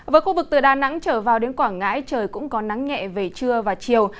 với khu vực từ đà nẵng trở vào đến quảng ngãi trời cũng có nắng nhẹ về trưa và chiều